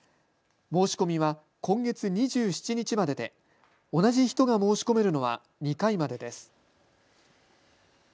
申し込みは今月２７日までで同じ人が申し込めるのは２回までです。